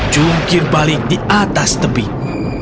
jungkir balik di atas tebing